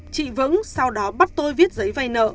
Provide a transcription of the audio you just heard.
chị vững sau đó bắt tôi viết giấy vay nợ